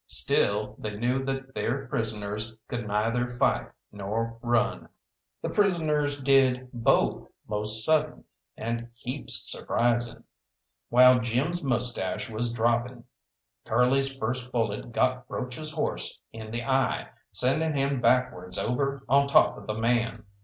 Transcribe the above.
Still, they knew that their prisoners could neither fight nor run. The prisoners did both most sudden, and heaps surprising. While Jim's moustache was dropping, Curly's first bullet got Broach's horse in the eye, sending him backwards over on top of the man.